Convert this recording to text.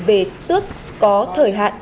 về tước có thời hạn